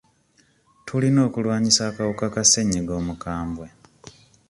Tulina okulwanyisa akawuka ka ssenyiga omukambye.